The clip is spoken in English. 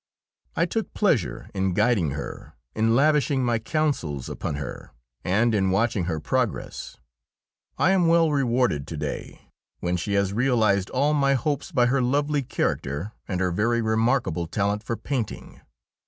I took pleasure in guiding her, in lavishing my counsels upon her, and in watching her progress. I am well rewarded to day, when she has realised all my hopes by her lovely character and her very remarkable talent for painting.